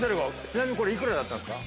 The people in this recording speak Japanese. ちなみにこれいくらだったんですか？